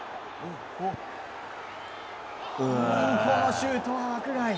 このシュートは枠外。